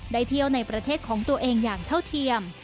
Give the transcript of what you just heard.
เที่ยวในประเทศของตัวเองอย่างเท่าเทียม